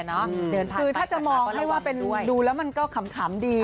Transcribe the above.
เดินทางไปก็ระวังด้วยคือถ้าจะมองไม่ว่าเป็นดูแล้วมันก็ขำดี